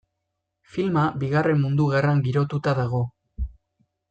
Filma Bigarren Mundu Gerran girotuta dago.